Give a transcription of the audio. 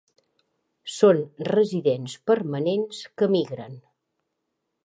Són residents permanents que migren.